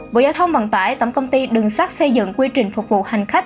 bộ giai thông bằng tải tổng công ty đường sắt xây dựng quy trình phục vụ hành khách